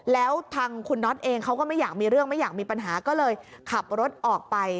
แล้วทางคุณน็อตเองเขาก็ไม่อยากมีเรื่องไม่อยากมีปัญหาก็เลยขับรถออกไป